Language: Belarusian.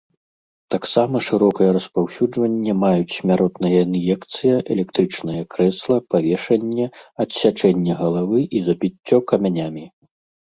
Таксама шырокае распаўсюджванне маюць смяротная ін'екцыя, электрычнае крэсла, павешанне, адсячэнне галавы і забіццё камянямі.